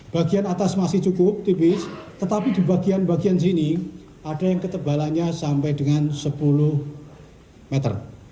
bagian atas masih cukup tipis tetapi di bagian bagian sini ada yang ketebalannya sampai dengan sepuluh meter